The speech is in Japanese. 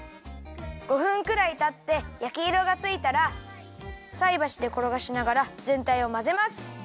５分くらいたってやきいろがついたらさいばしでころがしながらぜんたいをまぜます。